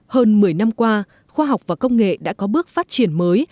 hơn một mươi năm qua khoa học và công nghệ đã có bước phát triển mới